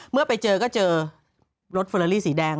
เมื่อไปเจอก็เจอรถเฟอร์ลาลี่สีแดง